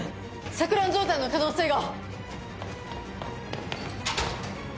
錯乱状態の可能性が。